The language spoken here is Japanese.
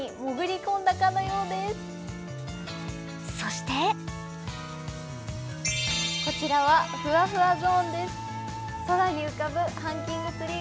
そしてこちらはフワフワゾーンです。